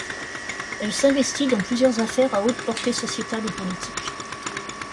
Elle s'investit dans plusieurs affaires à hautes portées sociétales ou politiques.